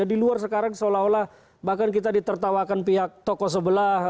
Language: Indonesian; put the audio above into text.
di luar sekarang seolah olah bahkan kita ditertawakan pihak tokoh sebelah